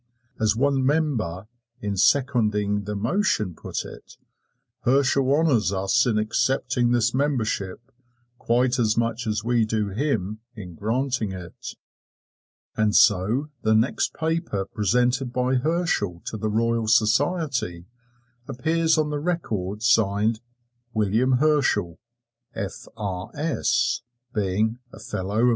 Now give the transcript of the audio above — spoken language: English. As one member in seconding the motion put it, "Herschel honors us in accepting this membership, quite as much as we do him in granting it." And so the next paper presented by Herschel to the Royal Society appears on the record signed "William Herschel, F.